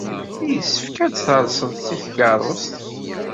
Yessefk ad d-terseḍ seg tkeṛṛust.